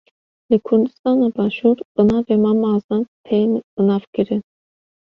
Li Kurdistana başûr bi navê Mam Azad tê bi nav kirin.